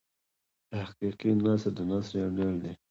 تحقیقي نثر د نثر یو ډول دﺉ.